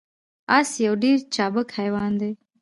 اس یو ډیر چابک حیوان دی